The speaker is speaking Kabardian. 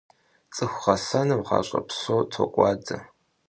ЦӀыху гъэсэным гъащӀэ псо токӀуадэ.